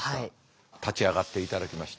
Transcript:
立ち上がっていただきまして。